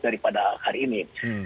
daripada hari ini